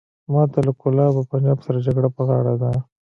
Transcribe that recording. ماته له کولاب او پنجاب سره جګړه په غاړه ده.